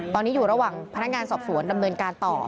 ตอนนี้อยู่ระหว่างพนักงานสอบสวนดำเนินการต่อ